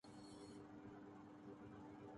افغانستان کےشہزاد ے